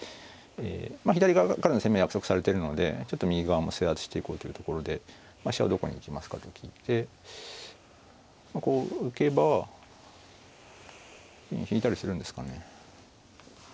まあ左側からの攻めは約束されてるので右側も世話していこうというところで飛車をどこに行きますかと聞いてこう浮けば引いたりするんですかね。